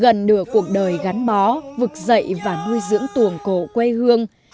gần nửa cuộc đời gắn bó vực dậy và nuôi dưỡng tuồng cổ quê hương